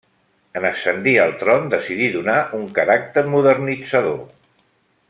En ascendir al tron decidí donar un caràcter modernitzador.